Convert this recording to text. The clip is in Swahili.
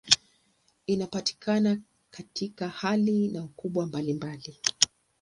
Inapatikana katika hali na ukubwa mbalimbali.